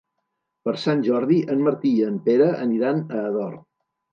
Per Sant Jordi en Martí i en Pere aniran a Ador.